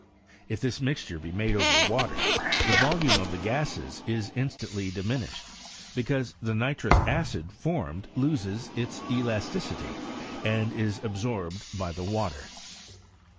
If this mixture be made over water, the volume of the gases is instantly di minished, because the nitrous acid formed loses its elasticity, and is absorbed by the water.